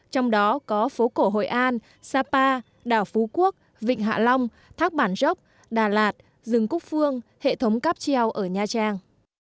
trong đó có phố cổ hội an sapa đảo phú quốc vịnh hạ long thác bản dốc đà lạt rừng quốc phương hệ thống cáp treo ở nha trang